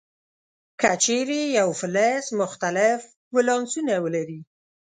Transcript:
که چیرې یو فلز مختلف ولانسونه ولري.